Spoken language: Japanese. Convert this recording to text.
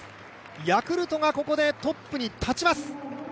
ヤクルトがここでトップに立ちます。